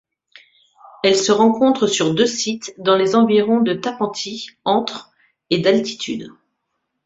Elle se rencontre sur deux sites dans les environs de Tapantí, entre et d'altitude.